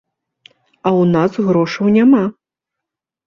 А ў нас грошаў няма.